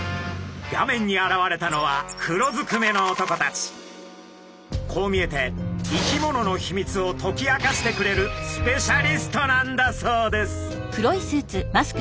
画面に現れたのはこう見えて生き物のヒミツを解き明かしてくれるスペシャリストなんだそうです。